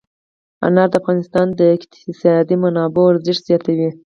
انار د افغانستان د اقتصادي منابعو ارزښت زیاتوي.